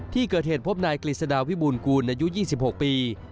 ที่เกิดเหตุพบนายกฤษฎาวิบูรกูลอายุ๒๖ปี